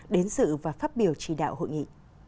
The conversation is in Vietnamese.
đến sự và phát biểu chỉ đạo hội nghị